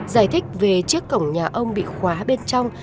giải thích về chiếc cổng nhà ông bị khóa bên trong